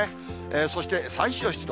そして最小湿度。